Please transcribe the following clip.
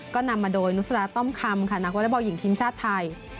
ก็นำมาโดยนุษราต้อมคำค่ะนักวอเล็กบอลหญิงทีมชาติไทย